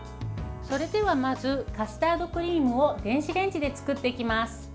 それでは、まずカスタードクリームを電子レンジで作っていきます。